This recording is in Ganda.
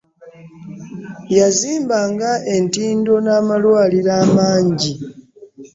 Yazimbanga entindo n'amalwaliro amangi.